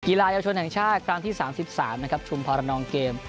กีฬายชนแห่งชาติกลางที่๓๓ชุมพรนองเกม